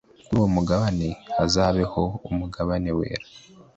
Kuri uwo mugabane hazabeho umugabane wera